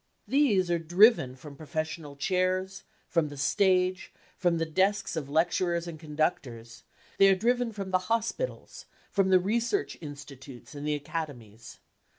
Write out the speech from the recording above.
These are driven from professional chairs, from the stage, from the desks of lecturers and conductors ; they are driven from the hospitals, from the research institutes and the academies.